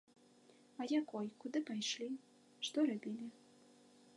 А якой, куды пайшлі, што рабілі.